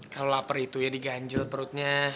kalau lapar itu ya diganjil perutnya